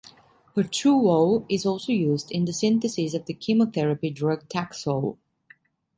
Patchoulol is also used in the synthesis of the chemotherapy drug Taxol.